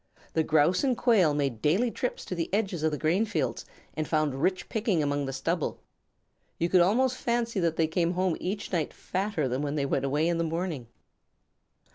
The Grouse and Quail made daily trips to the edges of the grain fields, and found rich picking among the stubble. You could almost fancy that they came home each night fatter than when they went away in the morning.